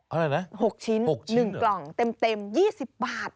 อะไรนะ๖ชิ้นหนึ่งกล่องเต็ม๒๐บาทเหรอ